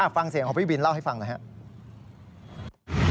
ฟังเสียงของพี่วินเล่าให้ฟังหน่อยครับ